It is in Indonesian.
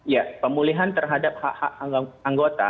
ya pemulihan terhadap hak hak anggota